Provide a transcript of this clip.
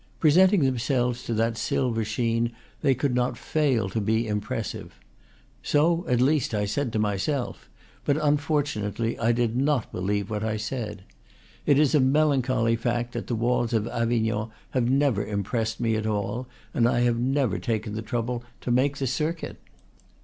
Presenting themselves to that silver sheen, they could not fail to be impressive. So, at least, I said to myself; but, unfortunately, I did not believe what I said. It is a melancholy fact that the walls of Avignon had never impressed me at all, and I had never taken the trouble to make the circuit.